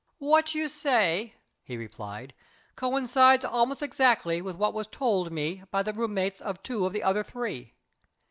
"What you say," he replied, "coincides almost exactly with what was told me by the room mates of two of the other three.